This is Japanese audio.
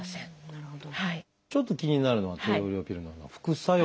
なるほど。